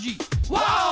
ワオ！